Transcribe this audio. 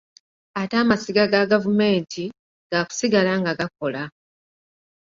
Ate amasiga ga gavumenti, gaakusigala nga gakola